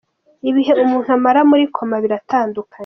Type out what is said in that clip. Ibihe umuntu amara muri coma biratandukanye